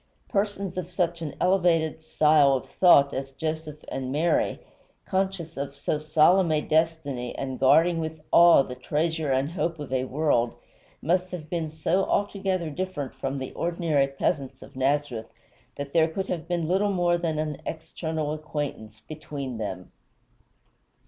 Persons of such an elevated style of thought as Joseph and Mary, conscious of so solemn a destiny and guarding with awe the treasure and hope of a world, must have been so altogether different from the ordinary peasants of Nazareth that there could have been little more than an external acquaintance between them.